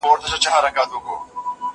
زه به سبا د نوي لغتونو يادونه وکړم..